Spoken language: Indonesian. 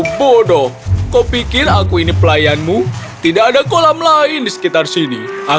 dia merasa bahwa kepiting adalah makhluk yang polos dan tidak akan tahu tentang rencana jahatnya